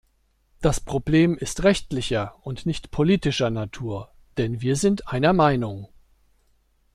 Das Problem ist rechtlicher und nicht politischer Natur, denn wir sind einer Meinung.